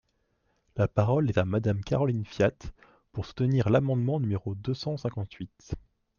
La parole est à Madame Caroline Fiat, pour soutenir l’amendement numéro deux cent cinquante-huit.